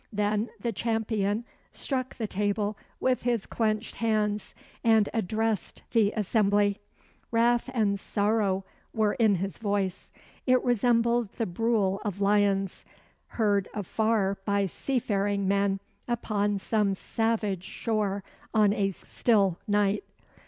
Then the Champion struck the table with his clenched hands and addressed the assembly. Wrath and sorrow were in his voice. It resembled the brool of lions, heard afar by seafaring men upon some savage shore on a still night.